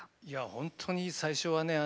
本当に最初はね